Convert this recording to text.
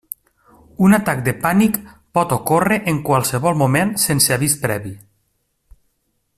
Un atac de pànic pot ocórrer en qualsevol moment sense avís previ.